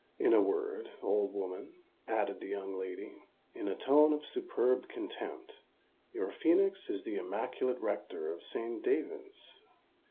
In a word, old woman," added the young lady, in a tone of superb contempt, "your phœnix is the immaculate rector of St. David's!"